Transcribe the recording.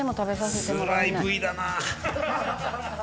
「つらい部位だな」